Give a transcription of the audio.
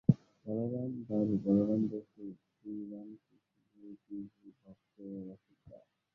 বলরামবাবু বলরাম বসু, শ্রীরামকৃষ্ণের গৃহী ভক্ত ও রসদদার।